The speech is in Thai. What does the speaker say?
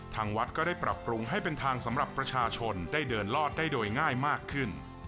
ทางวัดก็ได้ปรับปรุงให้เป็นทางสำหรับประชาชนได้เดินลอดได้โดยง่ายมากขึ้น